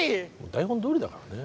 台本どおりだからね。